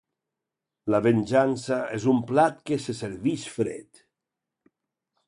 La venjança és un plat que se servix fred.